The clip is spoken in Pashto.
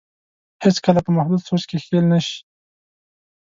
هېڅ کله په محدود سوچ کې ښکېل نه شي.